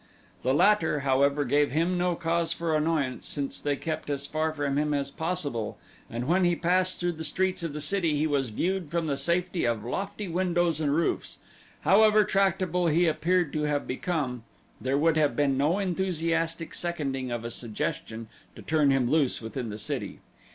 The latter, however, gave him no cause for annoyance since they kept as far from him as possible and when he passed through the streets of the city he was viewed from the safety of lofty windows and roofs. However tractable he appeared to have become there would have been no enthusiastic seconding of a suggestion to turn him loose within the city.